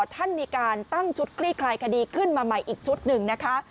ท่านมีการตั้งชุดคลี่คลายคดีขึ้นมาใหม่อีกชุดหนึ่งนะคะ